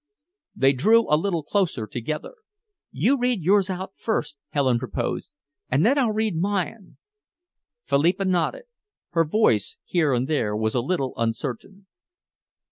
They drew a little closer together. "You read yours out first," Helen proposed, "and then I'll read mine." Philippa nodded. Her voice here and there was a little uncertain.